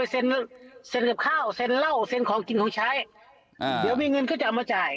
แสนหล่าสัญของกินคงใช้เดี๋ยวมีเงินก็จะเอามาจ่าย